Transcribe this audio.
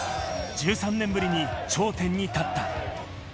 １３年ぶりに頂点に立った。